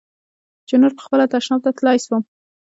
چې نور پخپله تشناب ته تلاى سوم.